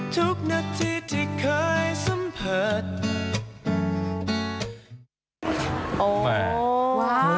จริงนะเดี๋ยวนี้สาวประเภทสองเพราะสวยนะคุณ